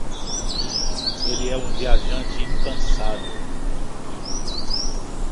Ele é um viajante incansável.